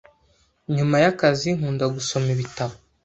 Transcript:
Nyuma y’akazi nkunda gusoma ibitabo